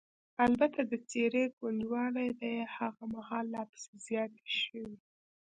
البته د څېرې ګونجوالې به یې هغه مهال لا پسې زیاتې شوې.